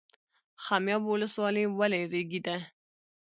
خمیاب ولسوالۍ ولې ریګي ده؟